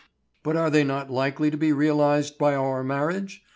But are they not likely to be realized by our marriage?